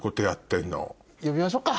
呼びましょうか。